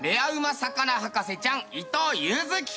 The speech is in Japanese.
魚博士ちゃん伊藤柚貴君。